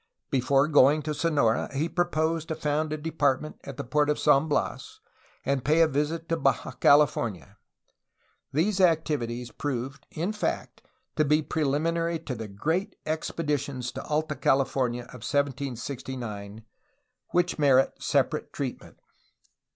Before going to Sonora he proposed to found a depart ment at the port of San Bias and pay a visit to Baja Cali fornia. These activities proved in fact to be preliminary to the great expeditions to Alta California of 1769, which merit separate treatment.